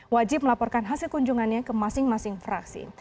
wajib melaporkan hasil kunjungannya ke masing masing fraksi